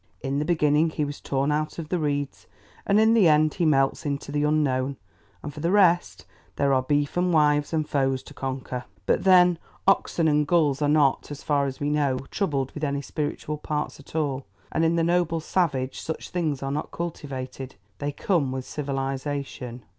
In the beginning he was "torn out of the reeds," and in the end he melts into the Unknown, and for the rest, there are beef and wives, and foes to conquer. But then oxen and gulls are not, so far as we know, troubled with any spiritual parts at all, and in the noble savage such things are not cultivated. They come with civilization.